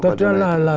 thật ra là